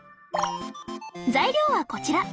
材料はこちら。